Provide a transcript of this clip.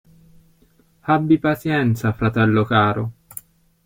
Abbi pazienza, fratello caro.